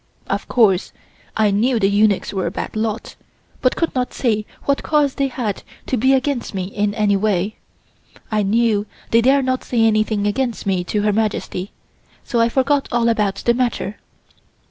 Of course I knew the eunuchs were a bad lot, but could not see what cause they had to be against me in any way. I knew they dare not say anything against me to Her Majesty, so I forgot all about the matter.